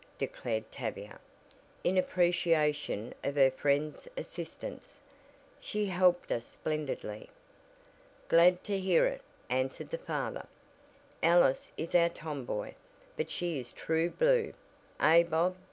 declared Tavia, in appreciation of her friend's assistance. "She helped us splendidly." "Glad to hear it," answered the father, "Alice is our tom boy, but she is true blue, eh, Bob?"